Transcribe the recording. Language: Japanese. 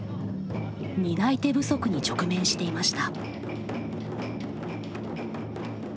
担い手不足に直面していました。